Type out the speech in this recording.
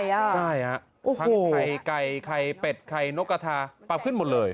ใช่ฮะผักไข่ไก่ไข่เป็ดไข่นกกระทาปรับขึ้นหมดเลย